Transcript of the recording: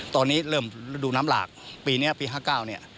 ตอนนี้เริ่มระดูน้ำหลากปีนี้ปี๑๙๕๙